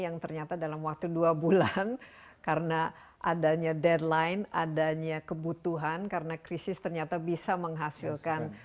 yang ternyata dalam waktu dua bulan karena adanya deadline adanya kebutuhan karena krisis ternyata bisa menghasilkan